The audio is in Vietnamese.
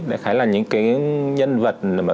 đã khá là những cái nhân vật mà